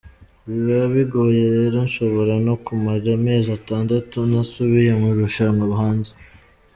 Biba bigoye rero nshobora no kumara amezi atandatu ntasubiye mu irushanwa hanze.